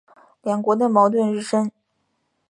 两国的矛盾日深。